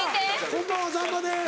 こんばんはざんまです。